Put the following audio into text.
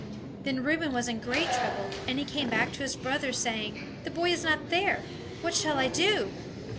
Then Reuben was in great trouble; and he came back to his brothers, saying: "The boy is not there! What shall I do!"